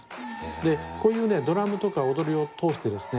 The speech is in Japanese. でこういうドラムとか踊りを通してですね